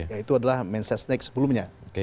yaitu adalah mensesnik sebelumnya